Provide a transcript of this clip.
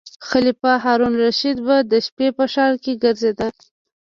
خلیفه هارون الرشید به د شپې په ښار کې ګرځیده.